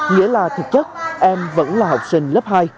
nghĩa là thực chất em vẫn là học sinh lớp hai